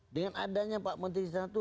dengan adanya pak menteri di sana itu